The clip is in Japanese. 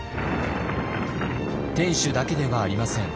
天守だけではありません。